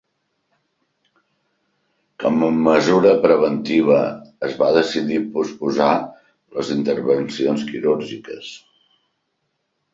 Com a mesura preventiva, es va decidir posposar les intervencions quirúrgiques.